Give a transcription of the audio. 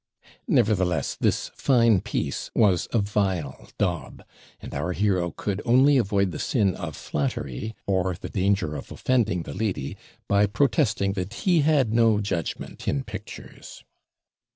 Nevertheless this FINE piece was a vile daub; and our hero could only avoid the sin of flattery, or the danger of offending the lady, by protesting that he had no judgment in pictures.